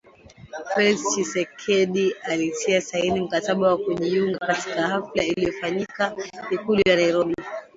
Felix Tchisekedi alitia saini mkataba wa kujiunga katika hafla iliyofanyika Ikulu ya Nairobi